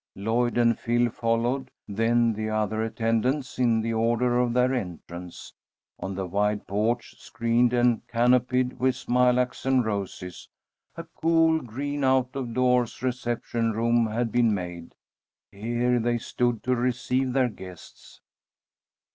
Lloyd and Phil followed, then the other attendants in the order of their entrance. On the wide porch, screened and canopied with smilax and roses, a cool green out of doors reception room had been made. Here they stood to receive their guests.